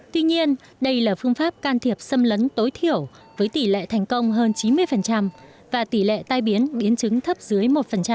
tuy nhiên đây là phương pháp can thiệp xâm lấn tối thiểu với tỷ lệ thành công hơn chín mươi và tỷ lệ tai biến biến chứng thấp dưới một